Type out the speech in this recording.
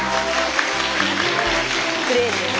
クレーンです。